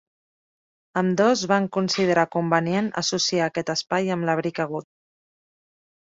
Ambdós van considerar convenient associar aquest espai amb l'abric Agut.